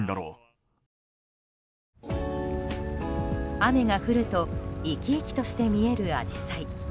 雨が降ると生き生きとして見えるアジサイ。